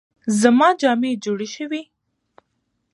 زما جامې جوړې شوې؟